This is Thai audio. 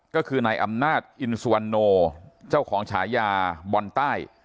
ก็คือนายอำนาจอินสุวรรณโนเจ้าของฉายาบอลใต้